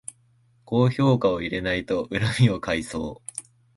高評価を入れないと恨みを買いそう